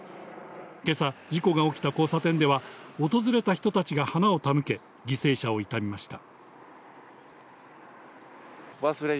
今朝、事故が起きた交差点では、訪れた人たちが花を手向け、犠牲者を悼みました。